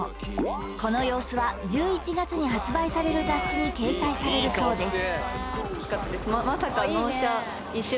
この様子は１１月に発売される雑誌に掲載されるそうです